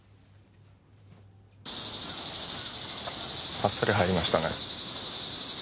あっさり入りましたね。